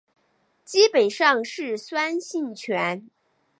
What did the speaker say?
基本上是酸性泉。